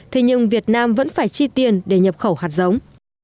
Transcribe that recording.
thế nhưng việt nam vẫn phải chi tiền để nhập khẩu hạt giống